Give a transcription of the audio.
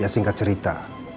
ya singkat cerita